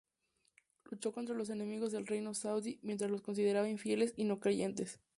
Luchó contra los enemigos del reino saudí, mientras los consideraba infieles y no creyentes.